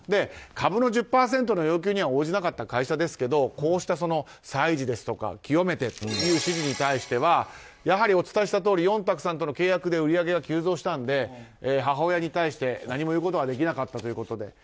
株の１０％の要求には応じなかった会社ですけどこうした祭事ですとか清めてという指示に対してはやはりお伝えしたとおりヨンタクさんとの契約で売り上げが急増したので母親に対して何も言うことができなかったと。